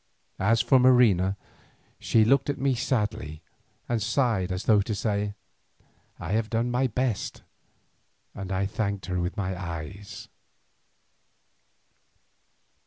As for Marina, she looked at me sadly and sighed as though to say, "I have done my best," and I thanked her with my eyes.